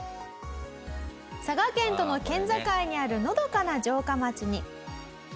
佐賀県との県境にあるのどかな城下町に。